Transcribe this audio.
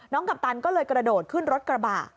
กัปตันก็เลยกระโดดขึ้นรถกระบะ